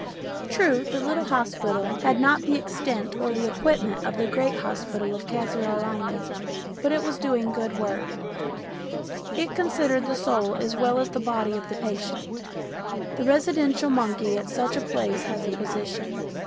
True, the little hospital had not MINIATURES 219 the extent or the equipment of the great hospital of Kasr el Aini, but it was doing good work ; it considered the soul as well as the body of the patient ; the residential monkey at such a place has a position.